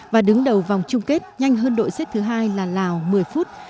và đứng đầu vòng chung kết nhanh hơn đội xếp thứ hai là lào một mươi phút